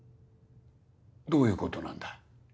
どういうことなんだ？